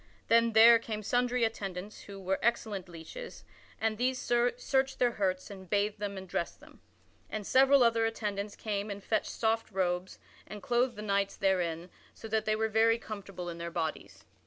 Then there came sundry attendants who were excellent leeches and these searched their hurts and bathed them and dressed them. And several other attendants came and fetched soft robes and clothed the knights therein so that they were very comfortable in their bodies.